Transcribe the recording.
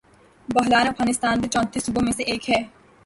بغلان افغانستان کے چونتیس صوبوں میں سے ایک ہے